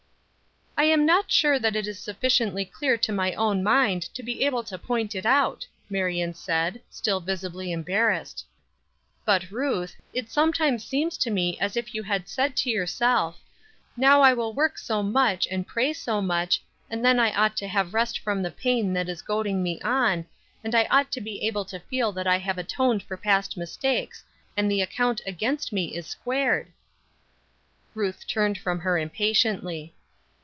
"I am not sure that it is sufficiently clear to my own mind to be able to point it out," Marion said, still visibly embarrassed. "But, Ruth, it sometimes seems to me as if you had said to yourself, 'Now I will work so much and pray so much, and then I ought to have rest from the pain that is goading me on, and I ought to be able to feel that I have atoned for past mistakes, and the account against me is squared.'" Ruth turned from her impatiently.